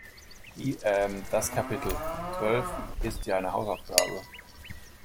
Die, ähm, das Kapitel zwölf ist ja eine Hausaufgabe.